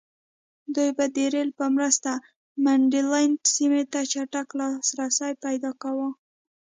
دوی به د رېل په مرسته منډلینډ سیمې ته چټک لاسرسی پیدا کاوه.